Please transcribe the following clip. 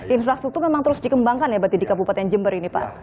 infrastruktur memang terus dikembangkan ya berarti di kabupaten jember ini pak